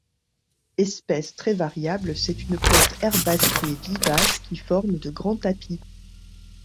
Espèce très variable, c'est une plante herbacée vivace qui forme de grands tapis.